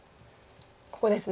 ここですね。